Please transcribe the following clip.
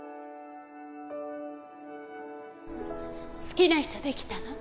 好きな人できたの？